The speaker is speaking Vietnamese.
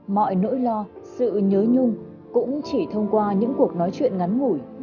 mọi nỗi lo sự nhớ nhung cũng chỉ thông qua những cuộc nói chuyện ngắn ngủi